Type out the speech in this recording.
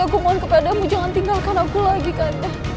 aku mohon kepadamu jangan tinggalkan aku lagi kan